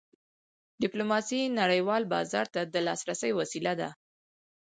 ډیپلوماسي نړیوال بازار ته د لاسرسي وسیله ده.